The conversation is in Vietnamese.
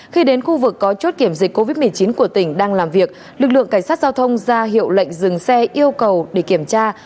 khi đến khu vực có chốt kiểm dịch covid một mươi chín của tỉnh đang làm việc lực lượng cảnh sát giao thông ra hiệu lệnh dừng xe yêu cầu để kiểm tra